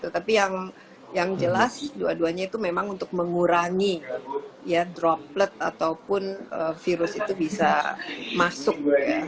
tapi yang jelas dua duanya itu memang untuk mengurangi droplet ataupun virus itu bisa masuk